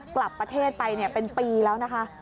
กลับประเทศไปเป็นปีแล้วนะคะ